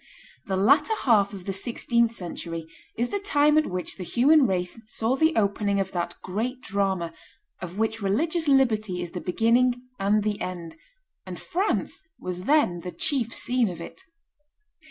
The latter half of the sixteenth century is the time at which the human race saw the opening of that great drama, of which religious liberty is the beginning and the end; and France was then the chief scene of it.